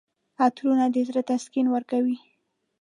عطرونه د زړه تسکین ورکوي.